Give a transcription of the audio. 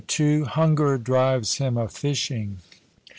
HUNGER DRIVES HIM A FISHING.